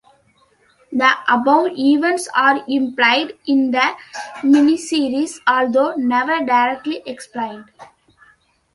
The above events are implied in the miniseries, although never directly explained.